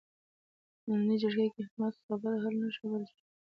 په نننۍ جرګه کې د احمد خبره حل نشوه، بلې جرګې ته پاتې شوله.